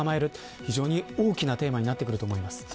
非常に大きなテーマになってくると思います。